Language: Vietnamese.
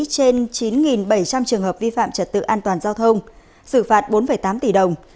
trên chín bảy trăm linh trường hợp vi phạm trật tự an toàn giao thông xử phạt bốn tám tỷ đồng